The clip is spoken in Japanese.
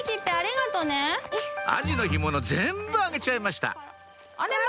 アジの干物全部あげちゃいましたあれ？